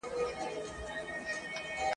چي هر څو یې هېرومه نه هیریږي !.